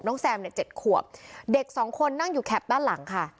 แซมเนี่ยเจ็ดขวบเด็กสองคนนั่งอยู่แคปด้านหลังค่ะ